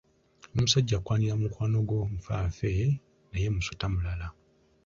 N’omusajja akwanira mukwano gwo nfanfe naye musota mulala.